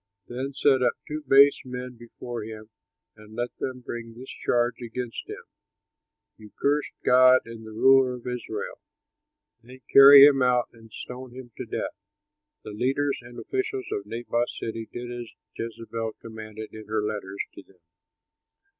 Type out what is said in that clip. Then set up two base men before him and let them bring this charge against him: 'You cursed God and the ruler of Israel.' Then carry him out and stone him to death." The leaders and officials of Naboth's city did as Jezebel commanded in her letters to them.